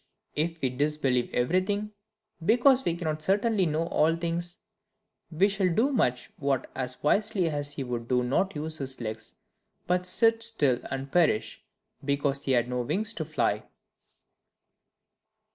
If we will disbelieve everything, because we cannot certainly know all things, we shall do much—what as wisely as he who would not use his legs, but sit still and perish, because he had no wings to fly.